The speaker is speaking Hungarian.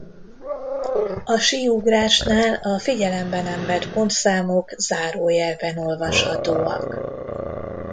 A síugrásnál a figyelembe nem vett pontszámok zárójelben olvashatóak.